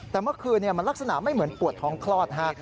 แต่เมื่อคืนมันลักษณะไม่เหมือนปวดท้องคลอดฮะ